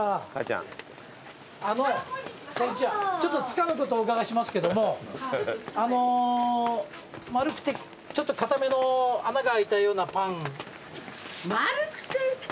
つかぬことをお伺いしますけどもあのう丸くてちょっと硬めの穴が空いたようなパン。丸くて。